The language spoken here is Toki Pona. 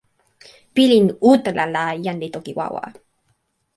pilin utala la jan li toki wawa.